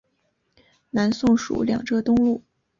南宋属两浙东路。